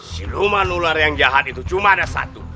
siluman ular yang jahat itu cuma ada satu